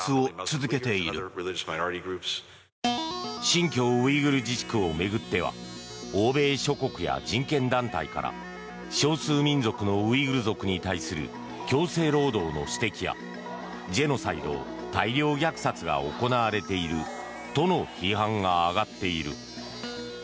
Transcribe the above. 新疆ウイグル自治区を巡っては欧米諸国や人権団体から少数民族のウイグル族に対する強制労働の指摘やジェノサイド、大量虐殺が行われているとの批判が上がっている。